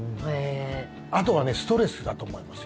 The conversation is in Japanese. あとはストレスだと思いますよ。